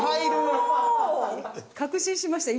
確信しました